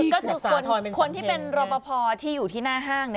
ก็คือคนที่เป็นรอปภที่อยู่ที่หน้าห้าง